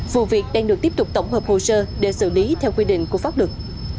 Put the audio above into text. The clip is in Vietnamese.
vụ việc đang được tiếp tục tổng hợp hồ sơ để xử lý theo quy định của pháp luật